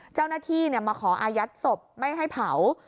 เจ้าหน้าที่มาขออายัดศพไม่ให้เผา